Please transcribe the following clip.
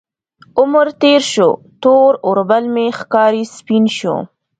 عمر تیر شو، تور اوربل مې ښکاري سپین شو